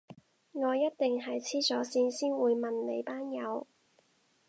我一定係痴咗線先會問你班友